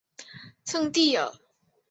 圣蒂尔。